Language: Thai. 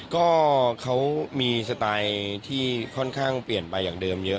ก็เขามีสไตล์ที่ค่อนข้างเปลี่ยนไปอย่างเดิมเยอะ